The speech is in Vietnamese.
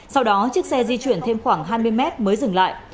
sau đó chiếc xe di chuyển thêm khoảng hai mươi mét mới dừng lại